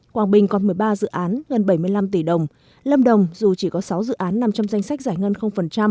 quảng bình còn một mươi ba dự án gần bảy mươi năm tỷ đồng lâm đồng dù chỉ có sáu dự án nằm trong danh sách giải ngân